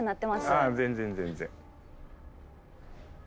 あぁ全然全然。